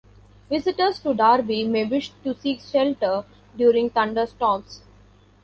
Visitors to Darby may wish to seek shelter during thunderstorms.